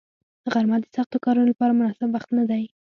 غرمه د سختو کارونو لپاره مناسب وخت نه دی